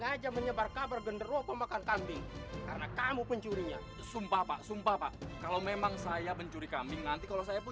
d'adi kamu jangan berperasaan gak buruk begitu